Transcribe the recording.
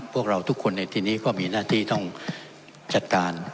พวกเราทุกคนในทีนี้ก็มีหน้าที่ต้องจัดการ